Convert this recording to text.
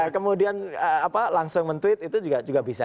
kemudian langsung men tweet itu juga bisa